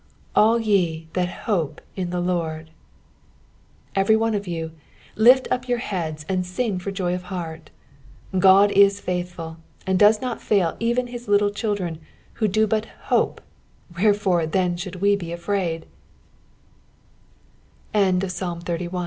" AU ye thaC hope in the Ijtrd." Every one of you, lift up jour heads and sing for joy of lieart. Ood is faithful, and does not fail eveit hu little children who do but hope, wherefore then should we be afraid t EXPLAWATORT H0TE8 AMD